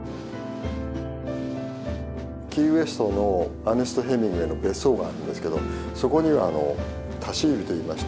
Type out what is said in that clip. キーウェストのアーネスト・ヘミングウェイの別荘があるんですけどそこには多肢指といいまして